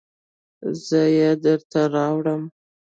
زه یې درته راوړم